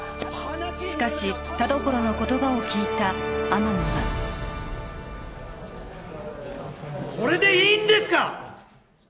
しかし田所の言葉を聞いた天海はこれでいいんですか？